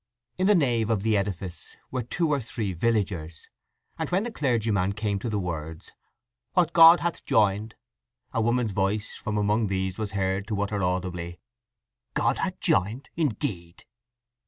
In the nave of the edifice were two or three villagers, and when the clergyman came to the words, "What God hath joined," a woman's voice from among these was heard to utter audibly: "God hath jined indeed!"